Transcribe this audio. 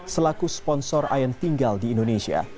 selaku sponsor ayan tinggal di indonesia